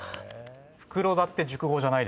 「袋田」って熟語じゃない。